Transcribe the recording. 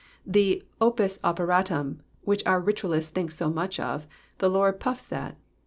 The opiLs operatum, which our ritualists think so much of, the Lord puffs at.